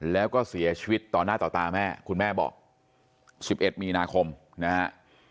แล้วก็เสียชีวิตต่อหน้าต่อตาแม่คุณแม่บอก๑๑มีนาคมนะฮะ